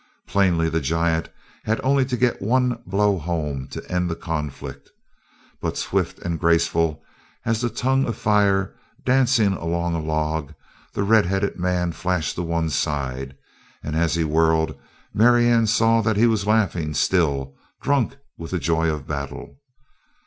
Plainly the giant had only to get one blow home to end the conflict, but swift and graceful as a tongue of fire dancing along a log the red headed man flashed to one side, and as he whirled Marianne saw that he was laughing still, drunk with the joy of battle.